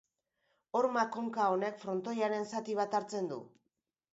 Horma-konka honek frontoiaren zati bat hartzen du.